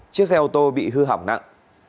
chiếc xe ô tô bị hư hỏng nặng